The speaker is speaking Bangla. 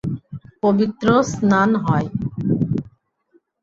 পবিত্র স্নান হয়।